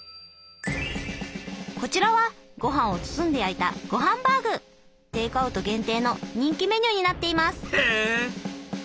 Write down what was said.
こちらはご飯を包んで焼いたテイクアウト限定の人気メニューになっています。